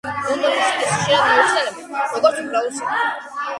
ლონდონის სიტის ხშირად მოიხსენიებენ, როგორც უბრალოდ სიტი.